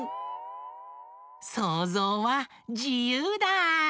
そうぞうはじゆうだ！